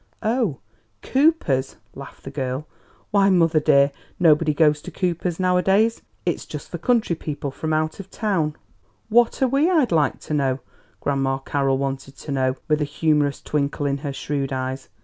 "Oh, Cooper's?" laughed the girl. "Why, mother, dear, nobody goes to Cooper's nowadays. It's just for country people from out of town." "What are we, I'd like to know?" Grandma Carroll wanted to know, with a humorous twinkle in her shrewd eyes.